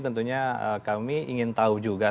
tentunya kami ingin tahu juga